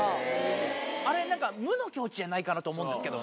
あれなんか無の境地じゃないかなと思うんですけども。